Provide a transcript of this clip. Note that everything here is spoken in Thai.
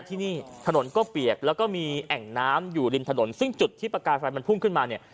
ที่นี่ถนนก็เปียกแล้วก็มีแอ่งน้ำอยู่ริมถนนซึ่งจุดที่ประกายไฟมันพุ่งขึ้นมาเนี่ย